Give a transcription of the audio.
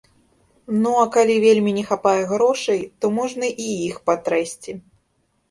Ну, а калі вельмі не хапае грошай, то можна і іх патрэсці.